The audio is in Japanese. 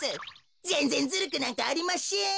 ぜんぜんずるくなんかありましぇん。